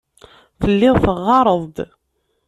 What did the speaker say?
Telliḍ teɣɣareḍ-d.